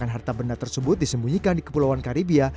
dan harta benda tersebut disembunyikan di kepulauan karibia